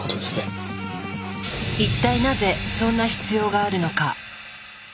一体なぜそんな必要があるのか。